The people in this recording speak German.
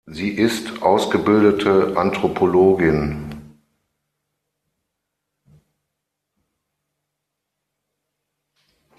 Sie ist ausgebildete Anthropologin.